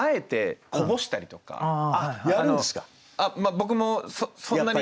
僕もそんなに。